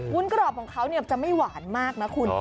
ุ้นกรอบของเขาจะไม่หวานมากนะคุณ